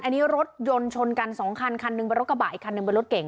อันนี้รถยนต์ชนกันสองคันคันหนึ่งเป็นรถกระบะอีกคันหนึ่งเป็นรถเก่ง